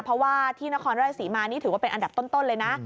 เพราะว่าที่นครราชศรีมานี่ถือว่าเป็นอันดับต้นเลยนะ